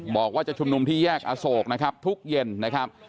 บอกว่าจะชุมนุมที่แยกอโศกนะครับทุกเย็นนะครับ